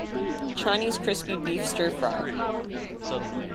Chinese crispy beef stir fry.